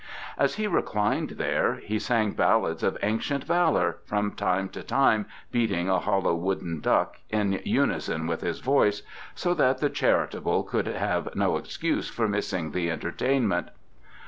As he reclined there he sang ballads of ancient valour, from time to time beating a hollow wooden duck in unison with his voice, so that the charitable should have no excuse for missing the entertainment.